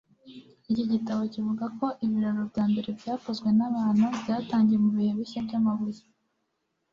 iki gitabo kivuga ko ibiraro bya mbere byakozwe n'abantu byatangiye mu bihe bishya by'amabuye